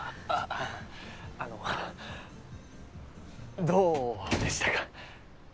あのどうでしたか？